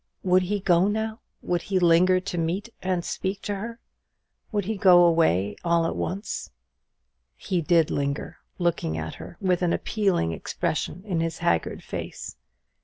Would he go now? Would he linger to meet her and speak to her? would he go away at once? He did linger, looking at her with an appealing expression in his haggard face.